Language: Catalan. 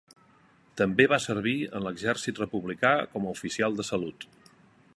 També va servir en l'exèrcit republicà com a oficial de salut.